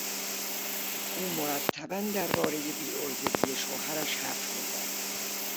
او مرتبا دربارهی بیعرضگی شوهرش حرف میزد.